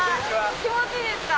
気持ちいいですか？